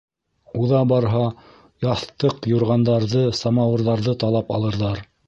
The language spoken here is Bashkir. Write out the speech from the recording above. Уҙа барһа, яҫтыҡ-юрғандарҙы, самауырҙарҙы талап алырҙар.